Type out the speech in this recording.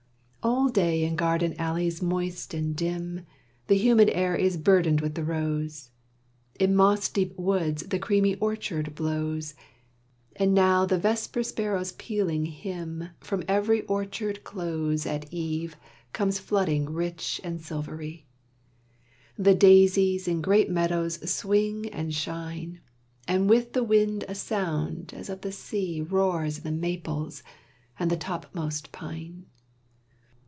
All day in garden alleys moist and dim, The humid air is burdened with the rose; In moss deep woods the creamy orchid blows; And now the vesper sparrows' pealing hymn From every orchard close At eve comes flooding rich and silvery; The daisies in great meadows swing and shine; And with the wind a sound as of the sea Roars in the maples and the topmost pine.